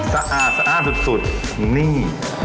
สะอาดสะอ้านสุดนี่